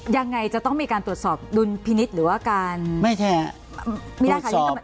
อย่างไรจะต้องมีการตรวจสอบดุลพินิศหรือว่าการไม่ใช่ตรวจสอบ